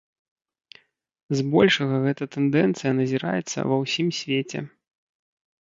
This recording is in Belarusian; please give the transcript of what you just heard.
Збольшага гэтая тэндэнцыя назіраецца ва ўсім свеце.